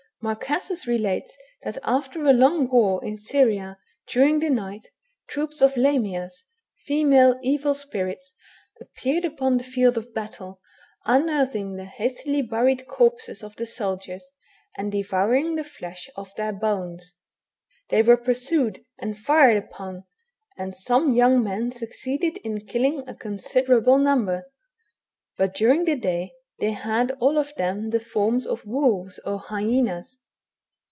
Marcassus relates that after a long war in Syria, during the night, troops of lamias, female evil spirits, appeared upon the field of battle, unearthing the hastily buried bodies of the soldiers, and devouring the flesh off their bones. They were pursued and fired upon, and some young men succeeded in killing a considerable number ; but during the day they had all of them the forms of wolves or hyaenas.